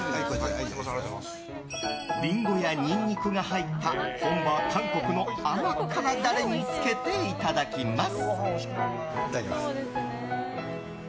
リンゴやニンニクが入った本場・韓国の甘辛ダレにつけていただきます！